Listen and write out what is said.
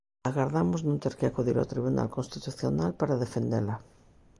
Agardamos non ter que acudir ao Tribunal Constitucional para defendela.